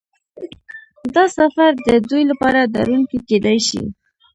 دا سفر د دوی لپاره ډارونکی کیدای شي